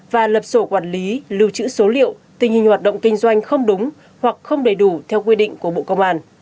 và lập sổ quản lý lưu trữ số liệu tình hình hoạt động kinh doanh không đúng hoặc không đầy đủ theo quy định của bộ công an